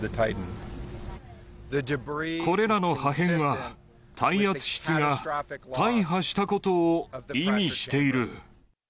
これらの破片は、耐圧室が大破したことを意味している。